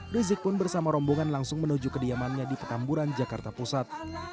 rizik pun bersama rombongan langsung menuju kediamannya di petamburan jakarta pusat